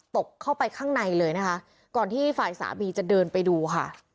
ตกเข้าไปข้างในเลยนะคะก่อนที่ฝ่ายสามีจะเดินไปดูค่ะ